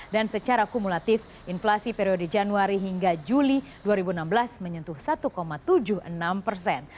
dan secara kumulatif inflasi periode januari hingga juli dua ribu enam belas menyentuh satu tujuh puluh enam persen